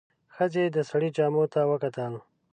ښځې د سړي جامو ته وکتل.